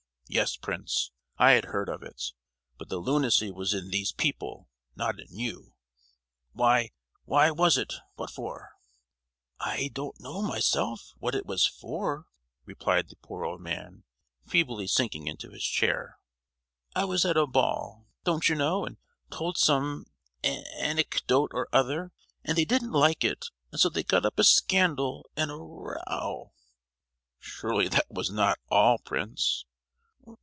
Yes, Prince; I had heard of it. But the lunacy was in these people, not in you. Why, why was it—what for?" "I don't know myself, what it was for," replied the poor old man, feebly sinking into his chair; "I was at a ball, don't you know, and told some an—ecdote or other and they didn't like it; and so they got up a scandal and a ro—ow." "Surely that was not all, Prince?"